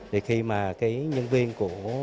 để khi mà cái nhân viên của